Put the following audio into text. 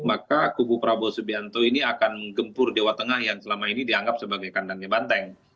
maka kubu prabowo subianto ini akan menggempur jawa tengah yang selama ini dianggap sebagai kandangnya banteng